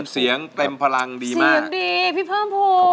เสียงดีพี่เพิ่มภูล